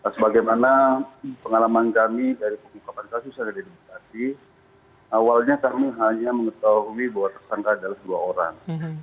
sebagaimana pengalaman kami dari pengungkapan kasus yang ada di bekasi awalnya kami hanya mengetahui bahwa tersangka adalah dua orang